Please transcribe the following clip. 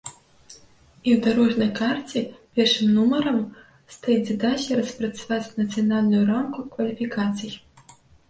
І ў дарожнай карце першым нумарам стаіць задача распрацаваць нацыянальную рамку кваліфікацый.